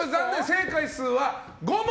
正解数は５問。